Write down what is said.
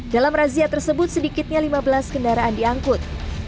dalam razia tersebut sedikitnya lima belas kendaraan diangkut